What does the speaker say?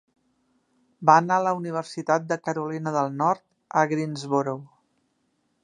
Va anar a la Universitat de Carolina del Nord, a Greensboro.